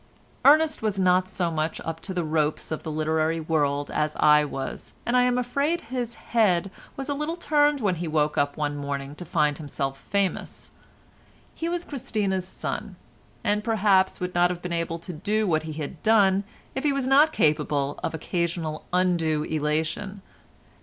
Ernest was not so much up to the ropes of the literary world as I was, and I am afraid his head was a little turned when he woke up one morning to find himself famous. He was Christina's son, and perhaps would not have been able to do what he had done if he was not capable of occasional undue elation.